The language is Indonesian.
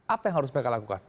apa yang harus mereka lakukan